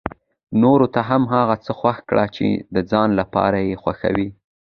نورو ته هم هغه څه خوښ کړي چې د ځان لپاره يې خوښوي.